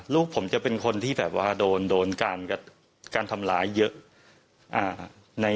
ลูกผมจะเป็นคนที่แบบว่าโดนการทำร้ายเยอะ